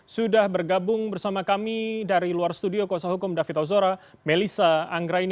sudah bergabung bersama kami dari luar studio kuasa hukum david ozora melisa anggraini